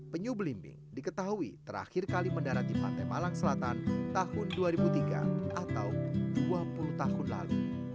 penyu belimbing diketahui terakhir kali mendarat di pantai malang selatan tahun dua ribu tiga atau dua puluh tahun lalu